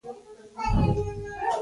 ده خپل وکیل ته هدایت ورکړ.